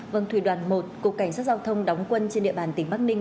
vâng thủy đoàn một cục cảnh sát giao thông đóng quân trên địa bàn tỉnh bắc ninh